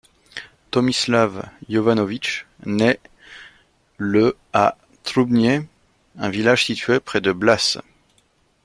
Tomislav Jovanović naît le à Trbunje, un village situé près de Blace.